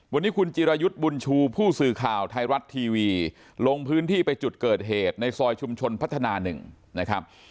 วันนี้คุณจิรายุทธ์บุญชูผู้สื่อข่าวไทยรัฐทีวีลงพื้นที่ไปจุดเกิดเหตุในซอยชุมชนพัฒนา๑นะครับ